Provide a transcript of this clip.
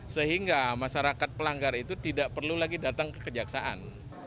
sehingga masyarakat pelanggar itu tidak perlu lagi datang ke kejaksaan